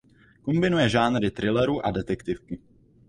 Kombinuje žánry thrilleru a detektivky.